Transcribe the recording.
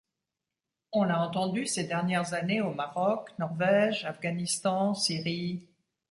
On l’a entendu ces dernières années au Maroc, Norvège, Afghanistan, Syrie...